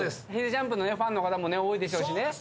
ＪＵＭＰのファンの方も多いでしょうしね。